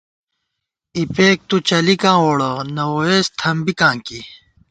اِپېک تُو چلِکاں ووڑہ ، نہ ووئیس تھنبِکاں کی